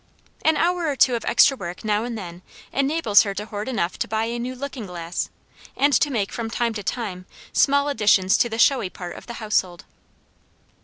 An hour or two of extra work now and then enables her to hoard enough to buy a new looking glass, and to make from time to time small additions to the showy part of the household.